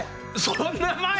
そんな前？